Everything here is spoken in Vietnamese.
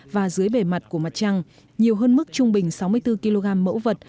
và dưới bề mặt của mặt trăng nhiều hơn mức trung bình sáu mươi bốn kg mẫu vật